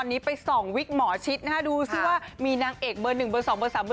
อี๊ค๑สาวครับ